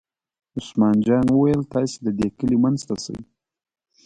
عثمان جان وویل: تاسې د دې کلي منځ ته شئ.